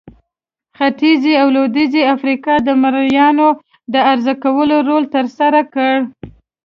ختیځې او لوېدیځې افریقا د مریانو د عرضه کولو رول ترسره کړ.